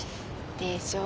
でしょ？